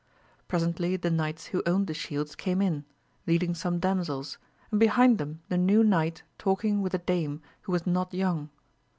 Presently the knights who owned the shields came in, leading some damsels, and behind them the new knight talking with a dame who was not young.